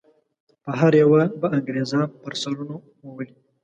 په هره یوه به انګریزان پر سرونو وولي.